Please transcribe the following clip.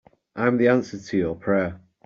I'm the answer to your prayer.